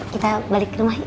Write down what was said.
kita balik ke rumah yuk